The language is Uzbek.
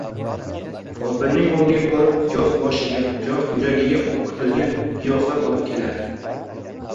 Folbinning oldiga borib, goh boshiga, goh yuragiga o`qitilgan giyohlar olib kelardi